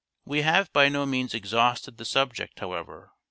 We have by no means exhausted the subject, however.